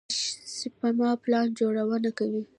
پنشن سپما پلان جوړونه کوي.